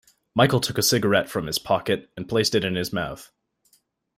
Michael took a cigarette from his pocket and placed it in his mouth.